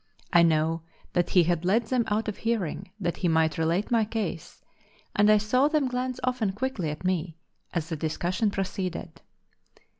I know that he had led them out of hearing, that he might relate my case, and I saw them glance often quickly at me, as the discussion proceeded.